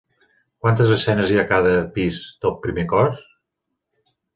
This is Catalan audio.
Quantes escenes hi ha a cada pis del primer cos?